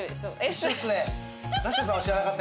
一緒ですね。